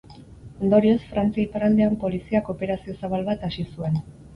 Ondorioz, Frantzia iparraldean, Poliziak operazio zabal bat hasi zuen.